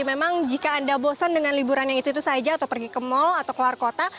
jadi memang jika anda bosan dengan liburan yang itu saja atau pergi ke mal atau keluar kota